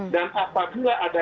dan apabila ada